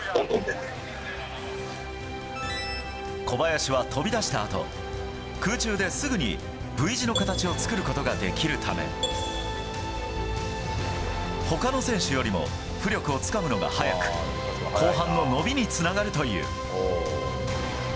小林は、飛び出したあと空中ですぐにＶ字の形を作ることができるため他の選手よりも浮力をつかむのが早く後半の伸びにつながるという。